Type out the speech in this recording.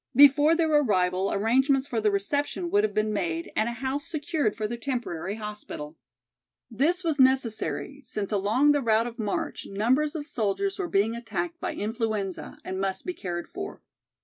Before their arrival arrangements for their reception would have been made and a house secured for their temporary hospital. This was necessary since along the route of march numbers of soldiers were being attacked by influenza and must be cared for.